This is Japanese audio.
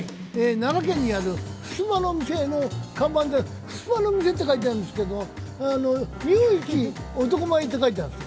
奈良県にあるふすまの店の看板で、ふすまの店と書いてあるんですけど日本一男前って書いてあるんです。